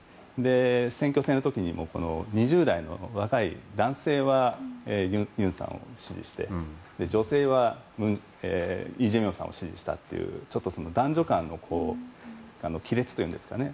選挙戦の時にも２０代の若い男性は尹さんを支持して女性はイ・ジェミョンさんを支持したというちょっと男女間の亀裂というんですかね。